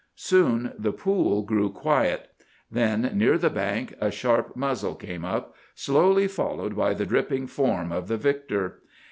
Soon the pool grew quiet. Then, near the bank, a sharp muzzle came up, slowly followed by the dripping form of the victor.